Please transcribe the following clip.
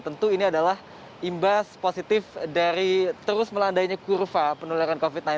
tentu ini adalah imbas positif dari terus melandainya kurva penularan covid sembilan belas